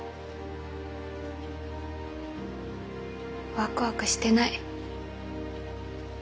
ワクワクしてない。